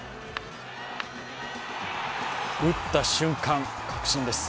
打った瞬間確信です。